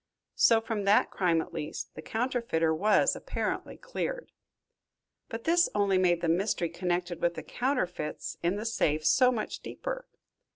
So, from that crime, at least, the counterfeiter was apparently cleared. But this only made the mystery connected with the counterfeits in the safe so much deeper.